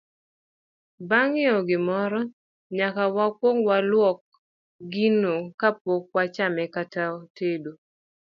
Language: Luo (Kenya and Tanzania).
Bang' ng'iewo gimoro, nyaka wakwong walwok gino kapok wachame kata tedo.